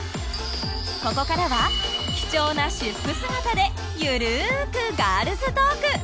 ここからは貴重な私服姿でゆるくガールズトーク。